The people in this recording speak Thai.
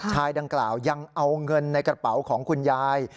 ดังกล่าวยังเอาเงินในกระเป๋าของคุณยาย